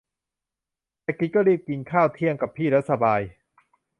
จะกินก็รีบกิน ข้าวเที่ยงกับพี่แล้วสบาย